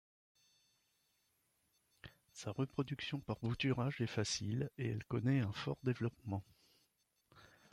Sa reproduction par bouturage est facile et elle connait un fort développement.